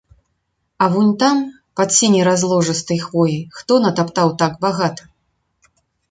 А вунь там, пад сіняй разложыстай хвояй, хто натаптаў так багата?